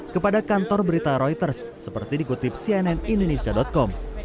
kepada kantor berita reuters seperti dikutip cnn indonesia com